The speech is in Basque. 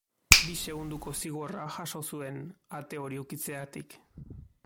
Bi segundoko zigorra jaso zuen ate hori ukitzeagatik.